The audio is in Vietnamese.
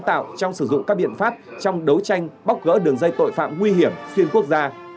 đó là sản phẩm sáng tạo trong sử dụng các biện pháp trong đấu tranh bóc gỡ đường dây tội phạm nguy hiểm xuyên quốc gia